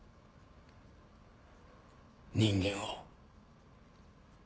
人間を。